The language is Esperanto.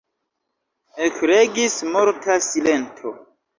Ekregis morta silento.